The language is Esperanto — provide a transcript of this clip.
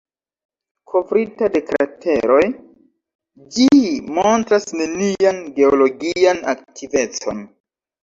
Kovrita de krateroj, ĝi montras nenian geologian aktivecon.